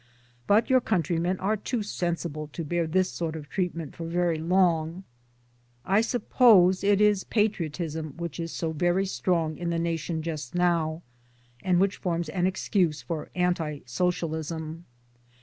But your countrymen are too sensible to bear this sort of treatment for very long. I suppose it is patriotism which is so very strong in the nation just now, and which forms an excuse for anti socialism.